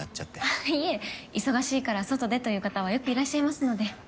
あっいえ忙しいから外でという方はよくいらっしゃいますので。